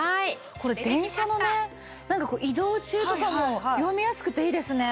これ電車のねなんかこう移動中とかも読みやすくていいですね。